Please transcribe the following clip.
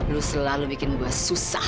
lu selalu bikin gue susah